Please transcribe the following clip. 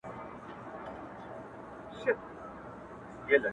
پوليس کور پلټي او هر کونج ته ځي،